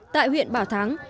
tại huyện bảo thắng